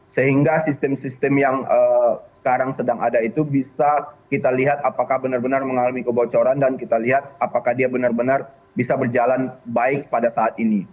sehingga sistem sistem yang sekarang sedang ada itu bisa kita lihat apakah benar benar mengalami kebocoran dan kita lihat apakah dia benar benar bisa berjalan baik pada saat ini